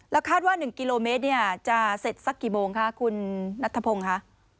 คาดว่า๑กิโลเมตรจะเสร็จสักกี่โมงคะคุณนัทธพงศ์คะ